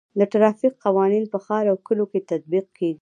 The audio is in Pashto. د ټرافیک قوانین په ښار او کلیو کې تطبیق کیږي.